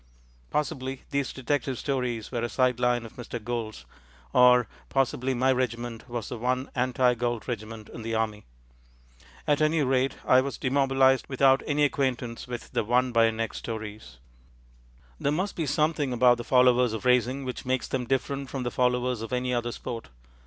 Possibly these detective stories were a side line of Mr. Gould's, or possibly my regiment was the one anti Gould regiment in the Army. At any rate, I was demobilized without any acquaintance with the Won by a Neck stories. There must be something about the followers of racing which makes them different from the followers of any other sport.